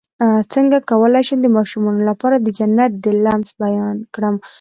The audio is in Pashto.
څنګه کولی شم د ماشومانو لپاره د جنت د لمس بیان کړم